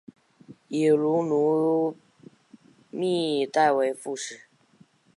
以卢汝弼代为副使。